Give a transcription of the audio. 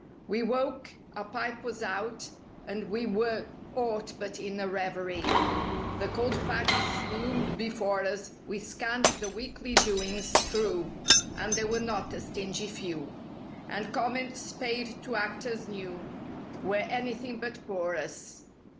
#»* We woke—our pipe was out and we Were aught but in a reverie: The cold facts loomed before us— We scanned the "Weekly doings" through (And they were not a stingy few) And comments paid to actors new Where anything but porous.